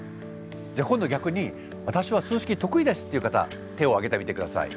じゃあ今度逆に私は数式得意ですっていう方手を挙げてみて下さい。